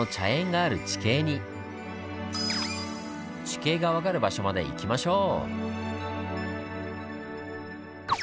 地形が分かる場所まで行きましょう！